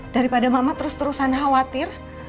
daripada mama terus terusan khawatir